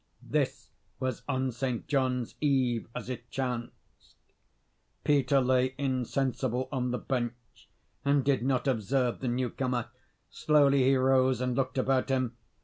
This was on St. John's Eve, as it chanced. Peter lay insensible on the bench, and did not observe the newcomer. Slowly he rose, and looked about him.